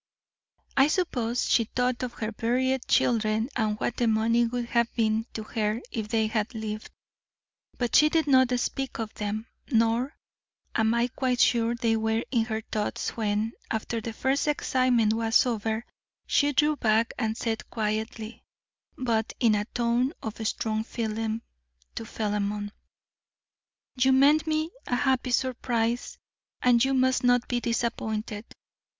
I suppose she thought of her buried children, and what the money would have been to her if they had lived; but she did not speak of them, nor am I quite sure they were in her thoughts when, after the first excitement was over, she drew back and said quietly, but in a tone of strong feeling, to Philemon: 'You meant me a happy surprise, and you must not be disappointed.